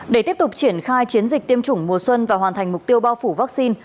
để tiếp tục triển khai chiến dịch tiêm chủng mùa xuân và hoàn thành mục tiêu bao phủ vaccine